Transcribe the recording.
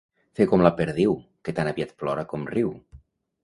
Fer com la perdiu, que tan aviat plora com riu.